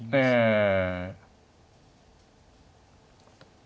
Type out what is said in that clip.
ええ。